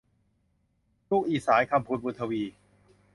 ลูกอีสาน - คำพูน บุญทวี